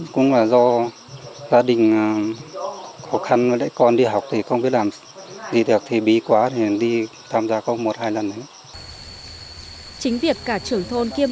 chính việc cả trưởng thôn kiêm công an viên và thôn bộ trưởng trực tiếp tham gia phá rừng dân đến sự việc khó được phát hiện